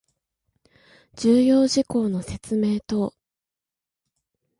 重要事項の説明等